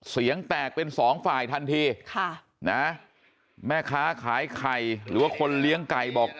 เสียงแตกเป็นสองฝ่ายทันทีค่ะนะแม่ค้าขายไข่หรือว่าคนเลี้ยงไก่บอก